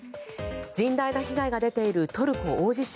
甚大な被害が出ているトルコ大地震。